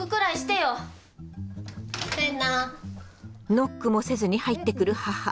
ノックもせずに入ってくる母。